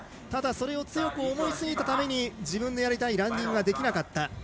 ただそれを強く思いすぎたために自分のやりたいランディングができなかった。